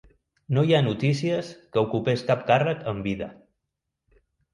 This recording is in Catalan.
No hi ha notícies que ocupés cap càrrec en vida.